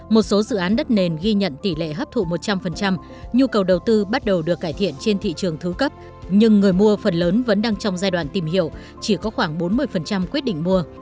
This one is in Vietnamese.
một số dự án đất nền ghi nhận tỷ lệ hấp thụ một trăm linh nhu cầu đầu tư bắt đầu được cải thiện trên thị trường thứ cấp nhưng người mua phần lớn vẫn đang trong giai đoạn tìm hiểu chỉ có khoảng bốn mươi quyết định mua